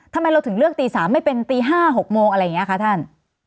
ทำไมเราถึงเลือกตี๓ไม่เป็นตี๕๖โมงอะไรอย่างนี้คะท่าน